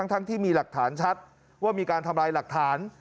ทั้งที่มีหลักฐานชัดว่ามีการทำลายหลักฐาน